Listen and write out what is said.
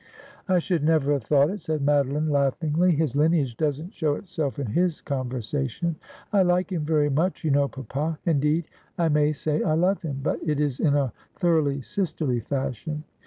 ' I should never have thought it,' said Madoline laughingly ;' his lineage doesn't show itself in his conversation. I like him very much, you know, papa ; indeed, I may say I love him, but it is in a thoroughly sisterly fashion.